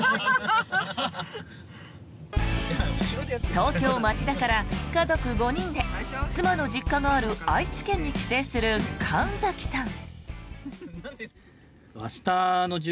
東京・町田から家族５人で妻の実家のある愛知県に帰省する神崎さん。